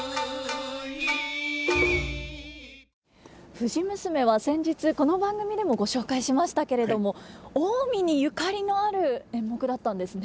「藤娘」は先日この番組でもご紹介しましたけれども近江にゆかりのある演目だったんですね。